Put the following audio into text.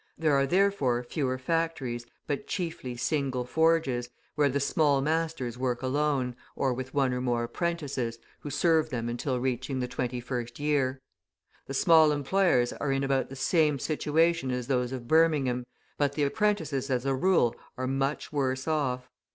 there are, therefore, fewer factories, but chiefly single forges, where the small masters work alone, or with one or more apprentices, who serve them until reaching the twenty first year. The small employers are in about the same situation as those of Birmingham; but the apprentices, as a rule, are much worse off.